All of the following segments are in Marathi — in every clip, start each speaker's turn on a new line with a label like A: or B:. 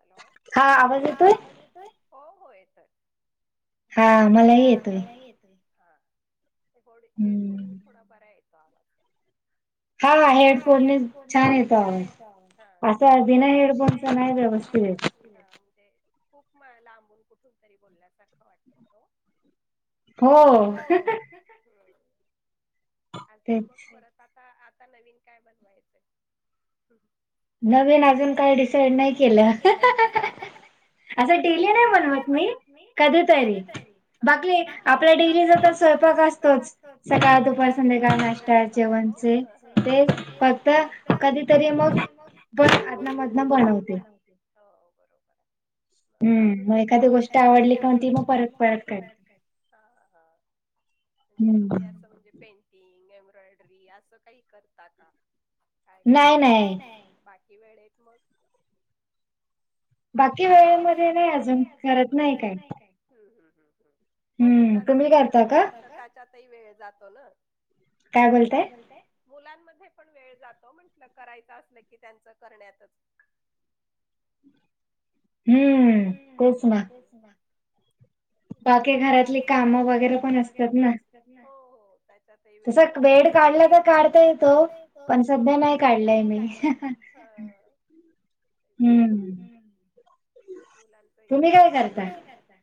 A: हॅलो हा आवाज येतोय हो हो येतोय हा मला येतोय हा हेडफोन मी थोडा बरा येतो आवाज हा हेडफोन छान येतो असा भिन हेडफोनचा नाही व्यवस् खूप लांबून कुठून तरी बोलल्यासारखं वाटत तो हो अजून मग परत आता आता नवीन काय बनवायचंय नवीन अजून काही डिसाईड नाही केलं ली नाही म्हत म कधीरी आप डेली ज असतोच काय फक्त कधीतरी
B: पण अना मधना बनवते
A: हो बरोबर आहे जण एखाद्या गोष्टी आवडली काण ती मग फरक फरक कर हा हा म्हणजे तुम्ही असं म्हणजे पेन फटिंग एम्ब्रॉयडरी असं काही करता का काय करता बाकी की वेळेत मग बाकी वेळेमध्ये नाही अजून करत नाही काय हो मुलांचही क त्याच्यातही वेळ जातो ना काय बोलतय मुलांमध्ये पण वेळ जातो म्हंटलं करायचं असलं की त्यांच करण्यातच हम्म कस ना बाकी घरातली कामं वगैरे पण असतात ना त्याच्यात वेळ भरपूर वेळ काढला तर काढता येतो पण सध्या नाही काढलाय मी बोलाल त करता कर का करता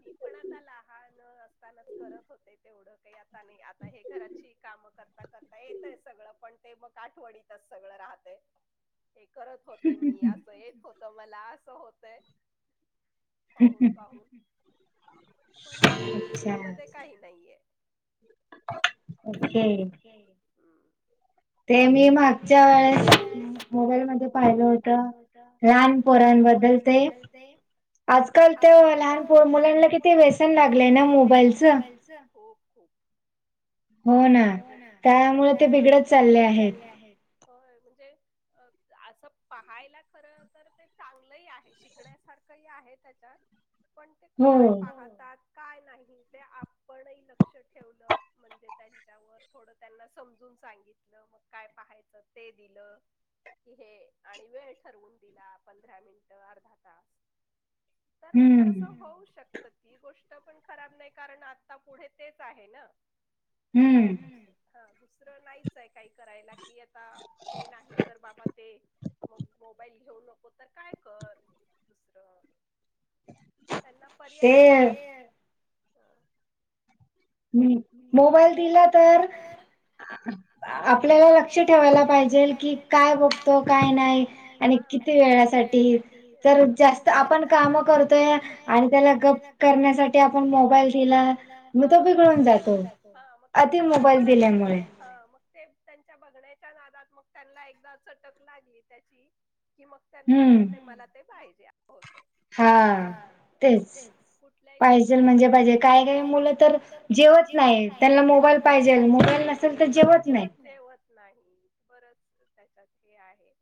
A: मी पण आता लहान असतानाच करत होते तेवढं काही आता नाही आता हे घराची कामं कर करता करता येतय सगळं पण ते मग आठवणीतच सगळं राहतय हे करत होते मी अस येत होत मला असं होतय पाहून पाहून पण आता रुटीन मध्ये काही नाहीये ओके हम्म ते मी मागच्या वेळेस मोबाईलमध्ये पाहिलं होत लहान पोरांबद्दल ते आजकाल तर लहान मुलांना किती व्यसन लागलंय ना मोबाईलच हो खूप हो ना त्यामुळे ते बिघडत चालले आहेत म्हणजे असं पाहायला खर तर ते चांगलंही आहे शिकण्यासारखं ही आहे त्याच्यात पण ते काय पाहतात काय नाही ते आपणही लक्ष ठेवलं म्हणजे त्यांच्यावर थोडं त्यांना समजून सांगितलं मग काय पाहायचं ते दिलं कि हे आणि वेळ ठरवून दिला पंधरा मिनिट अर्धा तास तर मग तसं होऊ शकत ती गोष्ट पण खराब नाही कारण आता पुढे तेच आहे ना हम्म हा दुसरं नाहीच आहे काही करायला कि आता हे नाही तर बाबा ते मग मोबाईल घेऊ नको तर काय कर दुसरं त्यांना पर्याय पण नाही ह मी मोबाईल दिला तर आपल्याला लक्ष ठेवायला पाहिजेल की काय बघतो काय नाही आणि किती वेळासाठी तर जास्त आपण काम करतोय आणि त्याला गप्प करण्यासाठी आपण मोबाईल दिला ह तर बिघडून जातो हा मग ते त्यांना कळत नाही अति मोबाईल दिल्यामुळे ते त्यांच्या बघण्याच्या नादात मग त्यांना एकदा चटक लागली त्याची कि मग त्यांना वाटतय मला ते पाहिजे होतय हा तेच कुठल्या ही गोष्टचा पाहिजेल म्हणजेे पाहिजे काही काही मुलं तर जेवत नाहीत त्यांना मोबाईल पाहिजेल मोबाईल नसेल तर जेवत नाहीत जेवत नाहीत बरच त्याच्यात ही आहे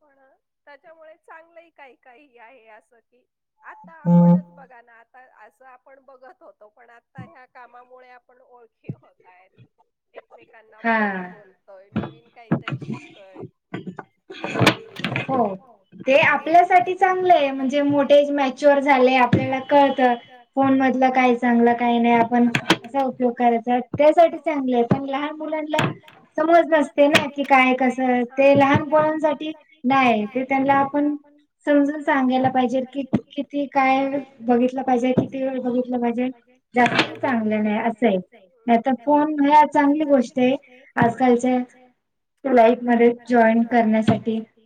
A: पण त्याच्यामुळे चांगलंही काही काही आहे असं की आता आपणच बघ घाना आता असं आपण बघत होतो पण आता ह्या कामामुळे आपण ओळखी होत आहेत एकमेकांना बोलतोय नवीन काहीतरी शिकतोय [inaudible] हो आवडीने ते आपल्यासाठी चांगलं आहे म्हणजे मोठे मॅच्युअर झाले आपल्याला कळत फोन मधलं काय चांगलं काय नाही आपण त्याचा उपयोग करायचा त्यासाठी चांगली आहे पण लहान मुलांना समज नसते ना की काय कस ते लहान पोरानसाठी नाही ते त्याला आपण समजून सांगायला पाहिजे कि किती काय बघितलं पाहिजे किती वेळ बघितल पाहिजे बरोबर आहे चांगल नाही अस आहे फोनमुळे चांगली गोष्ट आहे आजकालच्या लाईफ मध्ये जॉईन करण्यासाठी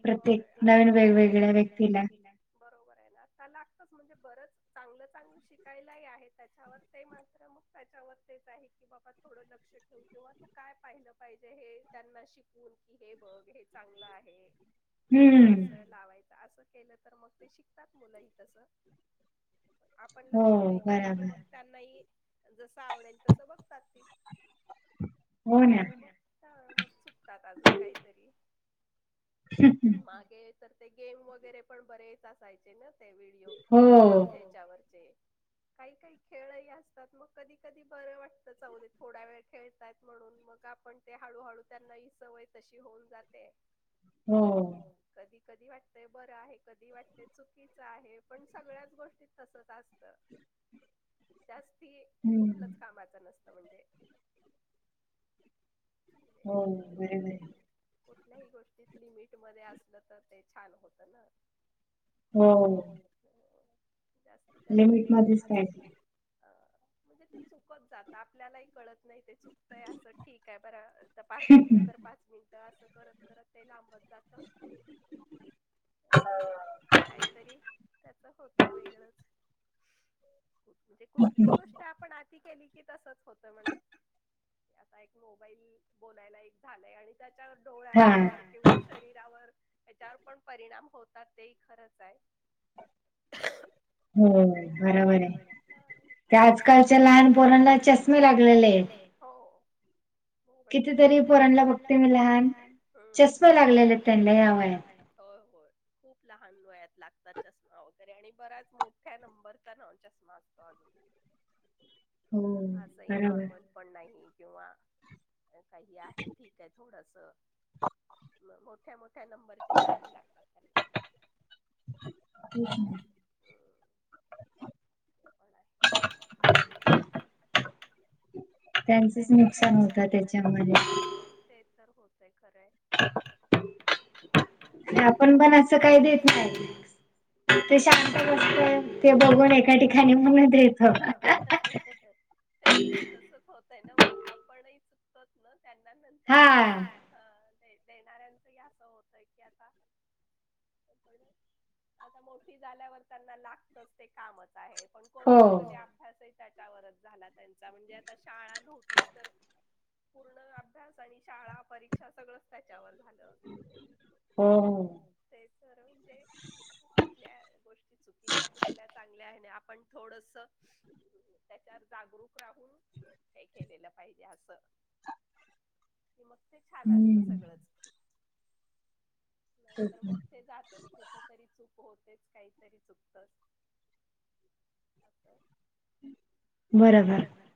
A: वेगवेगळ्या व्यक्तीला बरोबर आहे ना आता लागतंच म्हणजे बरंच चांगलं चांगलं शिकायलाही आहे त्याच्यावर ते मात्र मग त्याच्यावर तेच आहे की बाबा थोडं लक्ष ठेऊन किंवा तू काय पाहिलं पाहिजे हे त्यांना शिकून की हे बघ हे चांगलं आहे हे अस लावायचं असं केलं तर मग ते शिकतात मुलंही तस आपण लक्ष नाही दिलं की मग त्यांनाही जस आवडेल तस बघतात ती ह मग चुकतात अजून काहीतरी मागे तर ते गेम वगैरे पण बरेच असायचे ना ते व्हिडिओ त्यांच्यावरचे काही काही खेळही असतात मग कधी कधी बरं वाटतं जाऊदे थोड्या वेळ खेळताहेत म्हणून मग आपण ते हळूहळू त्यांना ही सवय तशी होऊन जाते कधी कधी वाटतय बरं आहे कधी वाटतय चुकीचं आहे पण सगळ्याच गोष्टीत तसच असतं जास्ती कुठलच कामाच नसत म्हणजे कुठल्याही गोष्टी तिथली मीठ मध्ये असलं तर ते छान होतं ना हो जास्तीत जास्ती अ म्हणजे ते चुकत जात आपल्यालाही कळत नाही ते चुक असं ठीक आहे बरं पाच मिनिटं तर पाच मिनिटं असं करत करत ते लांब जातात आणि काहीतरी त्याच होतं वेगळंच म्हणजे कुठलीही गोष्ट आपण आ केली की तसच होतं म्हणा आता एक मोबाईल बोलायला एक झालंय आणि त्याच्या डोळ्यांवर किंवा शरीरावर त्याच्यावर पण परिणाम होतात तेही खरंच आहे ह [inaudible] हो बरोबर आहे त्या आजकालच्या लहानपोरांला चष्मे लागलेले आहेत हो मोबाईल मुळे किती तरी पोरणला बघते मी लहान चष्मे लागलेले आहेत त्यांना या वयात होय होय खूप लहान वयात लागतात चष्मा वगैरे आणि बराच मोठ्या नंबरचा चष्मा असतो अजून अ असंही नॉर्मल पण नाही किंवा काही आहे ठीक आहे थोडस मो मोठ्या मोठ्या नंबरचे चष्मे लागतात त्यांना
B: तेचं ना
A: ते पण आहे
B: [inaudible]
A: त्यांचच नुकसान होता त्याच्यामध्ये ते तर होतय खरंय आपण पण असं काही देत नाही ते शांत बसतंय ते बघून एका ठिकाणी म्हणून देतो तेच ना तसच होतंय ना मग आपणही चुकतो ना त्यांना नंतर त्यां देणाऱ्यांचं ही असं होतंय की आता पण आता मोठी झाल्यावर त्यांना लागतंच ते कामच आहे पण कोरोनामध्ये अभ्यासही त्याच्यावरच झाला त्यांचा म्हणजे आता शाळा नव्हतीच तर पूर्ण अभ्यास आणि शाळा परीक्षा सगळंच त्याच्यावर झालं तेच सर म्हणजे कुठल्या गोष्टी चुकीच्या कुठल्या चांगल्या आहे आपण थोडस त्याच्यावर जागरूक राहून हे केलेलं पाहिजे असं कि मग ते छान असत सगळंच तर मग ते जातच कुठ तरी चुक होतेच काहीतरी चुकतंच बरोबर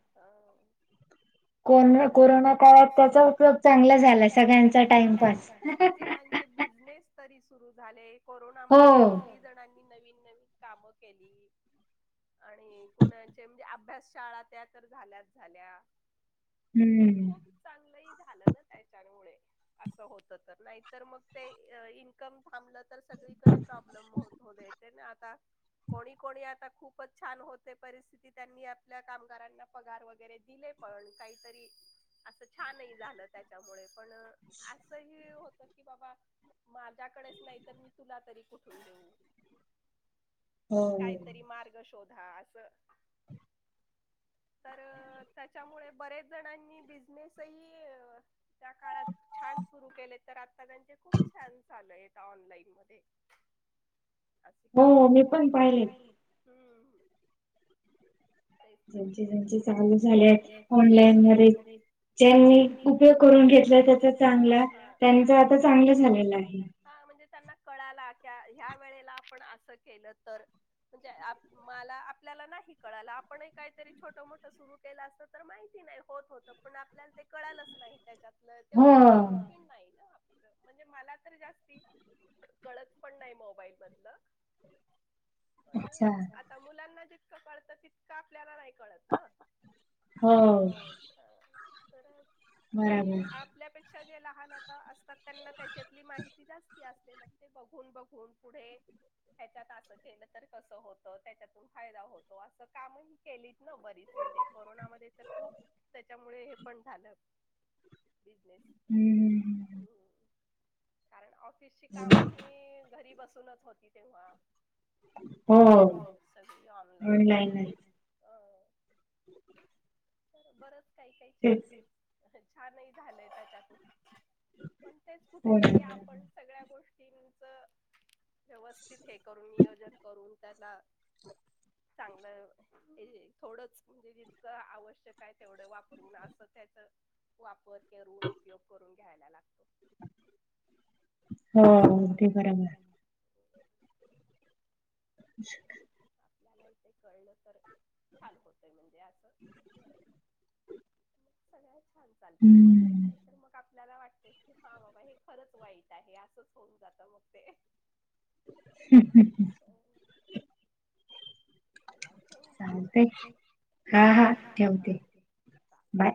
A: को कोरोना काळात त्याचा उपयोग चांगला झालाय सगळ्यांचा टाइमपास बिझनेस तरी सुरु झाले कोरोना मध्ये किती जणांनी नवीन नवी कामं केली आणि कोणाचे म्हणजे अभ्यास शाळा त्या तर झाल्याच झाल्या म्हणजे खूप चांगलंही झालं ना त्याच्यामुळे असं होत तर नाहीतर मग ते इनकम थांबलं तर सगळीकडे प्रॉब्लेम होत होेत ना आता. कोणी कोणी आता खूपच छान होते परिस् त्यांनी आपल्या कामगारांना पगार वगैरे दिले पण. काहीतरी अस छान झालं त्याच्यामुळे पण अस ह होत. कि बाबा माझ्याकडेच नाही तर मी तुला तरी कुठून देऊ. मग काहीतरी मार्ग. शधा त्यामुळे. बरेच जणांनी बिझनेस हही. त्या काळात छान सुरू केले तर आता त्यांचे खूप छान चाल आहे ऑनलाईन मध्ये. असे काम हो मी पण पाहिली हम्. काही ना म्हणज चांग झाले ऑनलाईन व ज्यांनी उपयोग करून घेतला त्याचा चांगला त्यांच आता चांगलं झालेलं आहे. म्हणजे त्यांना कळाला क ह्या वेळेला आपण असं केलं तर म्हणजे. मला आपल्याला नाही कळाला आपणही काहीतरी छोट मोठं सुरू केलं असत तर माहिती नाही होत होत. पण आपल्याला ते कळालच नाही त्याच्यातलं तेवढी माहिती पण नाही ना. म्हणजे मला तर जास् कळत पण नाही मोबाईल मधल पण आता मुलांना जितकं कळतं तितकं आपल्याला नाही कळत ना. हो खरंच आणि आपल्यापेक्षा. पक्षा जे लहान आता असतात त्यांना त्याच्यातली माहिती जास्ती असते मग ते बघून बघून. पुढे ह्याच्यात असं केलं तर कसं होतं त्याच्यातून फायदा होतो असं कामही. केलीत ना बरीच म्हणजे कोरोनामध्ये तर खूप त्याच्यामुळे हे पण झालं. बिजनेस.
B: हम्म
A: कारण ऑफिसची काम ह घरी बस. सुनत होती तेव्हा सगळी ऑनलाईन लाईन. अ
B: ह
A: तर बरच काही काही छान छानही झालंय त्याच्यातून पण तेच कुठेतरी आपण सगळ्या गोष्टींच व्यवस्थित हे करून नियोजन करून त्याला.
B: [inaudible]
A: चांगलं थोडंच. म्हणजे जितकं आवश्यक आहे तेवढं वापरून असं त्याच वापर. ऋून उपयोग करून घ्यायला लागतो.
B: हो ते बराबर
A: आपल्याला इथे कळलं तर चाल होत... म्हणजे अस सगळ्या छान चालतात गोष्टी तर मग... आपल्याला वाटतय की हा बाबा हे खरंच वाईट आहे असंच होऊन जातं मग ते.
B: हम् हम्...
A: चला ठेऊ बाय ते हा ह ठेवते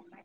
A: बाय...